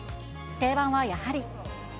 定番はやはり。